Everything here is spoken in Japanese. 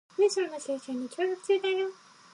文章の収集に協力中だよ